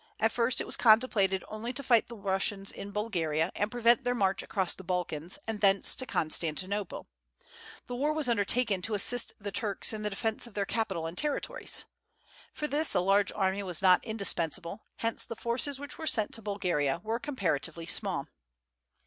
At first it was contemplated only to fight the Russians in Bulgaria, and prevent their march across the Balkans, and thence to Constantinople. The war was undertaken to assist the Turks in the defence of their capital and territories. For this a large army was not indispensable; hence the forces which were sent to Bulgaria were comparatively small.